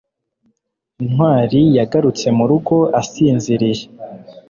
ntwali yagarutse mu rugo, asinziriye